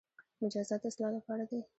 مجازات د اصلاح لپاره دي